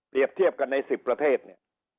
เปรียบเทียบกันใน๑๐ประเทศเนี่ย